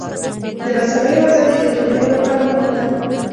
د رسنیو ازادي د ټولنې لپاره مهمه ده.